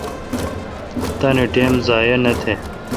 تانی ٹیم ضایع نہ تہ